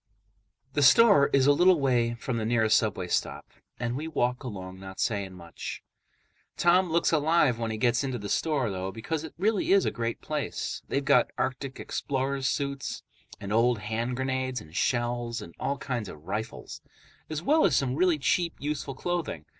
The store is a little way from the nearest subway stop, and we walk along not saying much. Tom looks alive when he gets into the store, though, because it really is a great place. They've got arctic explorers' suits and old hand grenades and shells and all kinds of rifles, as well as some really cheap, useful clothing.